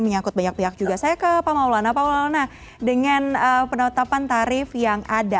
menyangkut banyak pihak juga saya ke pak maulana pak maulana dengan penetapan tarif yang ada